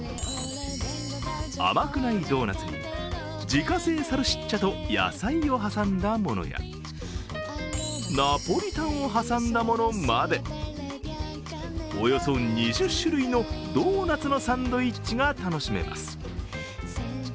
甘くないドーナツに自家製サルシッチャと野菜を挟んだものやナポリタンを挟んだものまでおよそ２０種類のドーナツのサンドイッチが楽しめます。